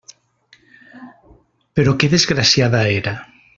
Però que desgraciada era!